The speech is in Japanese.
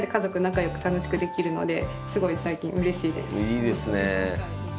いいですね。